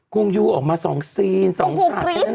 งยูออกมา๒ซีน๒ฉาก